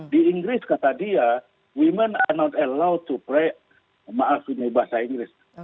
di inggris kata dia women are not allowed to pray maaf ini bahasa inggris